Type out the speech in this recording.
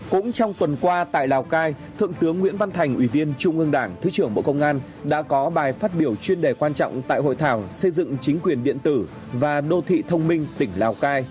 cũng trong tuần qua tại lào cai thượng tướng nguyễn văn thành ủy viên trung ương đảng thứ trưởng bộ công an đã có bài phát biểu chuyên đề quan trọng tại hội thảo xây dựng chính quyền điện tử và đô thị thông minh tỉnh lào cai